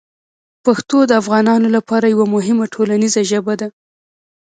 پښتو د افغانانو لپاره یوه مهمه ټولنیزه ژبه ده.